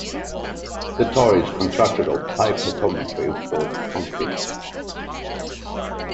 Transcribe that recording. The tower is constructed of high-performance reinforced concrete.